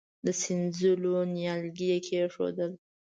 د سينځلو نيالګي يې اېښودل.